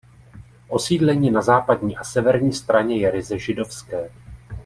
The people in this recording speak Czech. Osídlení na západní a severní straně je ryze židovské.